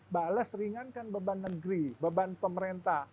bales ringankan beban negeri beban pemerintah